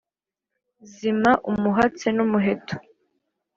zima umuhatsi n'umuheto